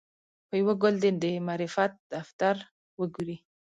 په یوه ګل کې دې د معرفت دفتر وګوري.